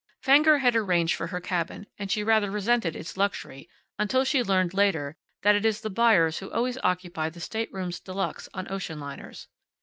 Fenger had arranged for her cabin, and she rather resented its luxury until she learned later, that it is the buyers who always occupy the staterooms de luxe on ocean liners.